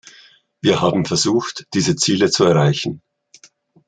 Wir haben versucht, diese Ziele zu erreichen.